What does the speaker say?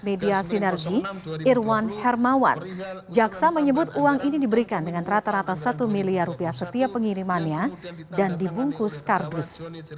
media sinergi irwan hermawan jaksa menyebut uang ini diberikan dengan rata rata satu miliar rupiah setiap pengirimannya dan dibungkus kardus